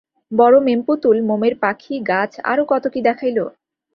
বড় মেম-পুতুল, মোমের পাখি, গাছ, আরও কত-কি দেখাইল।